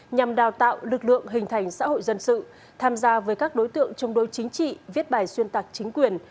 nhằm đào tạo lực lượng hình thành xã hội dân sự tham gia với các đối tượng chống đối chính trị viết bài xuyên tạc chính quyền